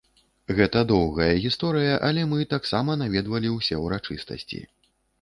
Гэта доўгая гісторыя, але мы таксама наведвалі ўсе ўрачыстасці.